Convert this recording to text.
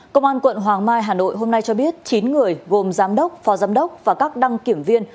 công an quận hoàng mai hà nội hôm nay cho biết chín người gồm giám đốc phó giám đốc và các đăng kiểm viên